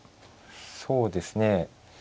そうですね。